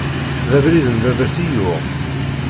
D abrid n baba-s i yuɣ.